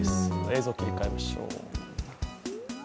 映像切り替えましょう。